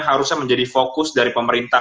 harusnya menjadi fokus dari pemerintah